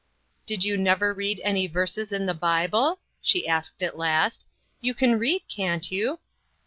" Did you never read any verses in the Bible ?" she asked at last. " You can read, can't you?"